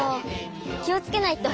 きをつけないと！